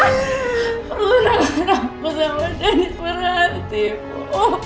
perlu nampak aku sama denny perhati bu